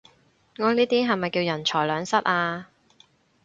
我呢啲係咪叫人財兩失啊？